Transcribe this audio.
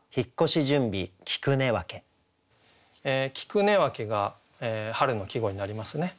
「菊根分」が春の季語になりますね。